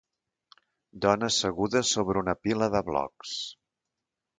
Dona asseguda sobre una fila de blocs.